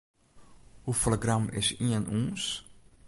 Hoefolle gram is ien ûns?